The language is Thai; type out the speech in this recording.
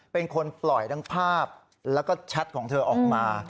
เป็นคนปล่อยทั้งภาพแล้วก็แชทของเธอออกมา